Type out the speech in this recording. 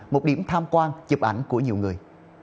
một điểm tham quan chụp ảnh của nhiều người